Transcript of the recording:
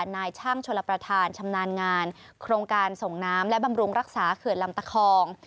นายช่างชลประธานชำนาญงานโครงการส่งน้ำและบำรุงรักษาเขื่อนลำตะคอง